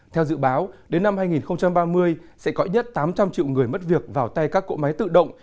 theo dự báo đến năm hai nghìn ba mươi sẽ có nhất tám trăm linh triệu người mất việc vào tay các cỗ máy tự động